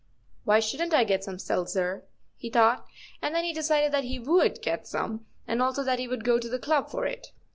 " Why shouldn't I get some seltzer? " he thought, and then he decided that he 'would get some, and also that he would go to the club for it.